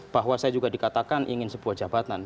bahwa saya juga dikatakan ingin sebuah jabatan